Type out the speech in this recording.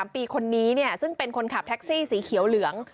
๓ปีคนนี้ซึ่งเป็นคนขับแท็กซี่สีเขียวเหลือง